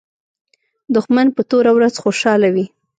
دښمن په توره ورځ خوشاله وي